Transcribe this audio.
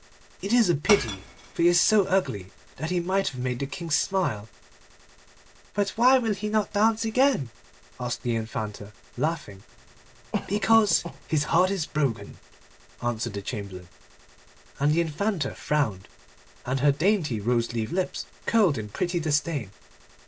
It is a pity, for he is so ugly that he might have made the King smile.' 'But why will he not dance again?' asked the Infanta, laughing. 'Because his heart is broken,' answered the Chamberlain. And the Infanta frowned, and her dainty rose leaf lips curled in pretty disdain.